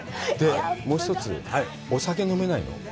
もう一つ、お酒飲めないの？